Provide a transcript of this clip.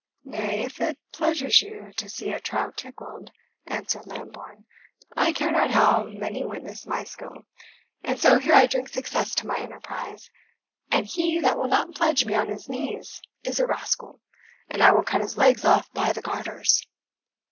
"Nay, if it pleasures you to see a trout tickled," answered Lambourne, "I care not how many witness my skill. And so here I drink success to my enterprise; and he that will not pledge me on his knees is a rascal, and I will cut his legs off by the garters!"